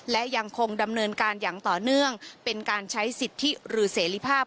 และยังคงดำเนินการอย่างต่อเนื่องเป็นการใช้สิทธิหรือเสรีภาพ